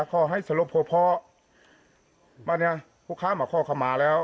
ขอให้สรบพอพอบ้านเนี้ยผู้ค้ามาข้อขมาแล้ว